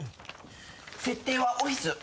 設定はオフィス。